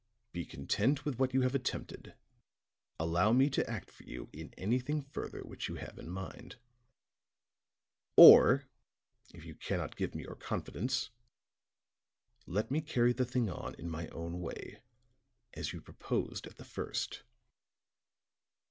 Be content with what you have attempted; allow me to act for you in anything further which you have in mind. Or, if you cannot give me your confidence, let me carry the thing on in my own way, as you proposed at the first."